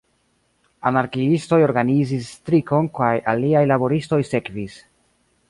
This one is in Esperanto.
Anarkiistoj organizis strikon kaj aliaj laboristoj sekvis.